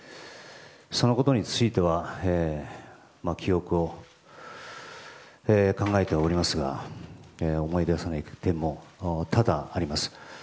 そのことについては記憶を考えてはおりますが思い出せない点も多々あります。